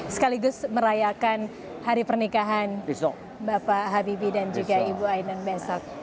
sekaligus merayakan hari pernikahan bapak habibie dan juga ibu ainun besok